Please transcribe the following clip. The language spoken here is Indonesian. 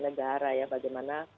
negara ya bagaimana